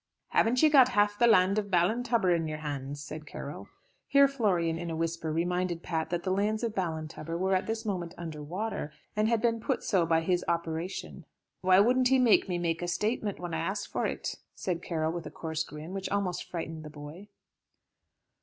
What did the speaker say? "Haven't you got half the land of Ballintubber in your hands?" said Carroll. Here Florian in a whisper reminded Pat that the lands of Ballintubber were at this moment under water, and had been put so by his operation. "Why wouldn't he make me a statement when I asked for it?" said Carroll, with a coarse grin, which almost frightened the boy.